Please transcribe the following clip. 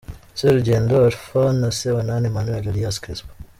Serugendo Arafat na Sebanani Emmanuel alias Crespo.